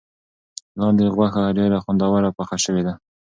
لاندي غوښه ډېره خوندوره پخه شوې ده.